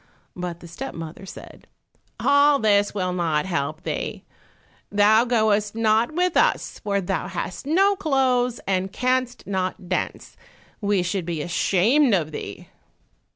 But the step mother said, "All this will not help thee; thou goest not with us, for thou hast no clothes and canst not dance; we should be ashamed of thee!"